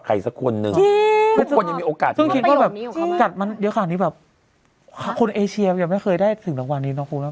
เขาก็เลยบอกว่าชะเลิมชะล้ง